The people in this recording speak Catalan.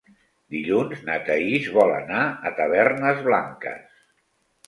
Dilluns na Thaís vol anar a Tavernes Blanques.